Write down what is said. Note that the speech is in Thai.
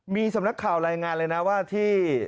มีสำนักข่าวรายงานเลยนะว่าที่